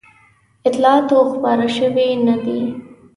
اطلاعات خپاره شوي نه دي.